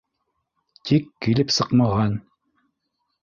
Тик килеп сыҡмаған